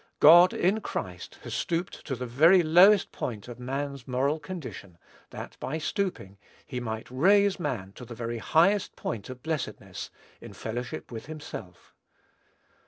God, in Christ, has stooped to the very lowest point of man's moral condition, that, by stooping he might raise man to the very highest point of blessedness, in fellowship with himself.